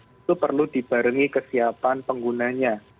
itu perlu dibarengi kesiapan penggunanya